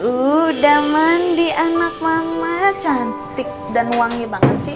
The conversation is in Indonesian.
udah mandi anak mama cantik dan wangi banget sih